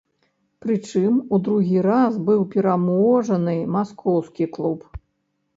Прычым, у другі раз быў пераможаны маскоўскі клуб.